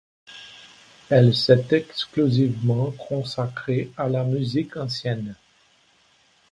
Elle s'est exclusivement consacrée à la musique ancienne.